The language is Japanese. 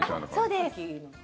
そうです。